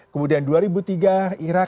kemudian dua ribu tiga irak